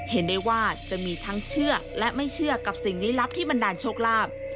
เห็นได้ว่าจะมีทั้งเชื่อและไม่เชื่อกับสิ่งลี้ลับที่บันดาลโชคลาภ